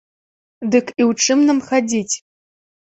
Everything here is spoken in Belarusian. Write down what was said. Дык і ў чым нам хадзіць?